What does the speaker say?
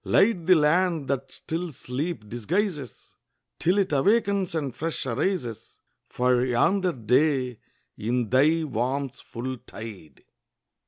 Light the land that still sleep disguises Till it awakens and fresh arises For yonder day in thy warmth's full tide!